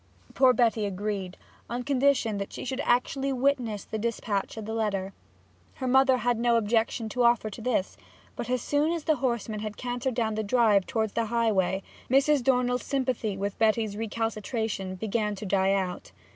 Poor Betty agreed, on condition that she should actually witness the despatch of the letter. Her mother had no objection to offer to this; but as soon as the horseman had cantered down the drive toward the highway, Mrs. Dornell's sympathy with Betty's recalcitration began to die out.